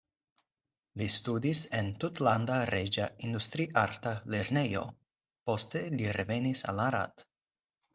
Li studis en Tutlanda Reĝa Industriarta Lernejo, poste li revenis al Arad.